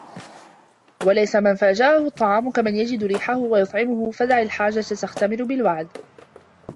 وَلَيْسَ مَنْ فَاجَأَهُ الطَّعَامُ كَمَنْ يَجِدُ رِيحَهُ وَيَطْعَمُهُ فَدَعْ الْحَاجَةَ تَخْتَمِرُ بِالْوَعْدِ